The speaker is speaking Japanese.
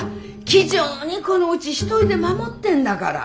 気丈にこのうち一人で守ってんだから。